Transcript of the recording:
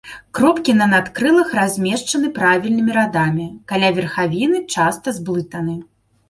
Кропкі на надкрылах размешчаны правільнымі радамі, каля верхавіны часта зблытаны.